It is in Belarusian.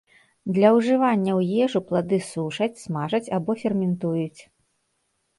Для ўжывання ў ежу плады сушаць, смажаць або ферментуюць.